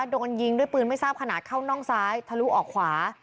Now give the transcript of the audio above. โดนยิงด้วยปืนไม่ทราบขนาดเข้าน่องซ้ายทะลุออกขวา